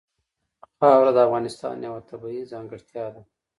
خاوره د افغانستان یوه طبیعي ځانګړتیا ده.